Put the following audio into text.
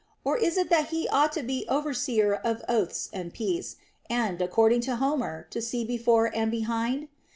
Or is it that he ought to be overseer of oaths and peace, and (according to Homer) to see before and behind?